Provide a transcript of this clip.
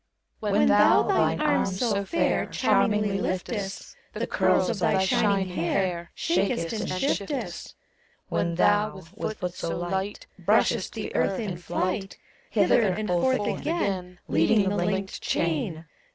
When thou thine arms so fair Charmingly lif test, The curls of thy shining hair Shakest and shiftest; When thou, with foot so light, Btushest the earth in flight, Hither and forth again Leading the linked chain.